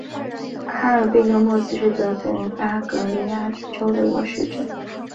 哈尔贝格莫斯是德国巴伐利亚州的一个市镇。